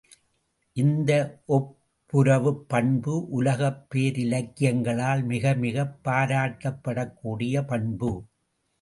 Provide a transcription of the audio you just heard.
இந்த ஒப்புரவுப் பண்பு உலகப் பேரிலக்கியங்களால் மிகமிகப் பாராட்டப்படக்கூடிய பண்பு.